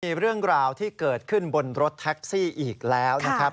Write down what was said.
มีเรื่องราวที่เกิดขึ้นบนรถแท็กซี่อีกแล้วนะครับ